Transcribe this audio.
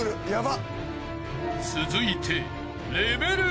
［続いて］